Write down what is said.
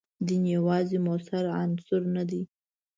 دین یوازینی موثر عنصر نه دی.